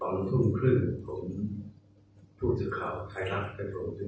ตอนทุ่มครึ่งผมพูดสุดข่าวขายลักษณ์ให้ผม